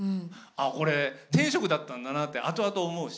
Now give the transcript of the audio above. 「これ天職だったんだな」ってあとあと思うし。